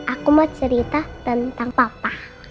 aku mau cerita tentang papa